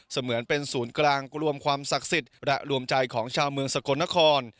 เหมือนเป็นศูนย์กลางรวมความศักดิ์สิทธิ์และรวมใจของชาวเมืองสกลนคร